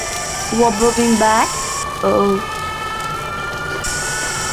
惠水茯蕨为金星蕨科茯蕨属下的一个种。